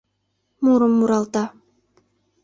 Мурым муралта